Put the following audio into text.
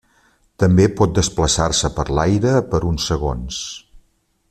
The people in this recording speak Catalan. També pot desplaçar-se per l'aire per uns segons.